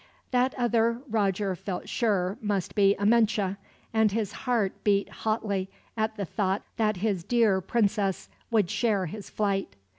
That other Roger felt sure must be Amenche; and his heart beat hotly, at the thought that his dear princess would share his flight.